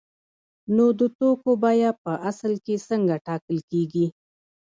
نو د توکو بیه په اصل کې څنګه ټاکل کیږي؟